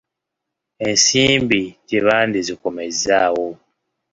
Ensimbi tebandizikomezzaawo.